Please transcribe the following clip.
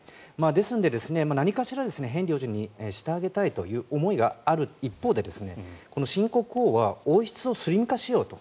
ですので何かしらヘンリー王子にしてあげたいという思いがある一方で新国王は王室をスリム化しようと。